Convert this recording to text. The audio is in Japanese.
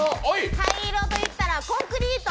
灰色と言ったらコンクリート。